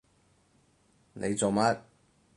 你做乜？